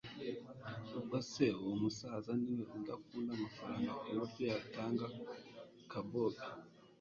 ubwo se uwo musaza niwe udakunda amafaranga kuburyo yatanga ka bobi!